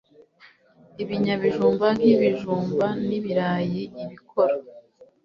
Ibinyabijumba nk' Ibijumba n' ibirayi, ibikoro